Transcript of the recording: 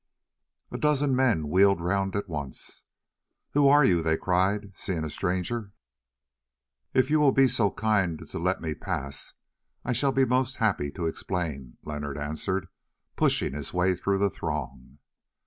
A dozen men wheeled round at once. "Who are you?" they cried, seeing a stranger. "If you will be so kind as to let me pass, I shall be most happy to explain," Leonard answered, pushing his way through the throng.